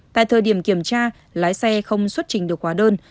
tại thời điểm kiểm tra lái xe không xuất trình được hóa đơn